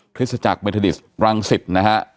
พฤษจักรเมทดิสรังสิทธิ์นะครับ